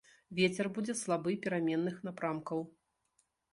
Вецер будзе слабы пераменных напрамкаў.